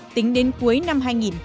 tính đến cuối năm hai nghìn hai